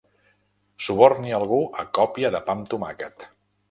Suborni algú a còpia de pa amb tomàquet.